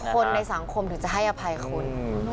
คนในสังคมถึงจะให้อภัยคุณ